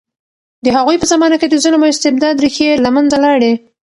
د هغوی په زمانه کې د ظلم او استبداد ریښې له منځه لاړې.